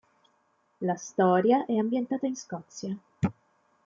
La storia è ambientata in Scozia.